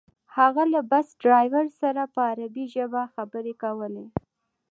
هغه له بس ډریور سره په عربي ژبه خبرې کولې.